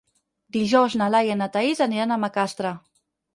Dijous na Laia i na Thaís aniran a Macastre.